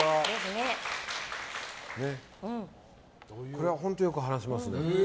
これは本当よく話しますね。